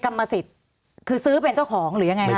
สวัสดีครับทุกคน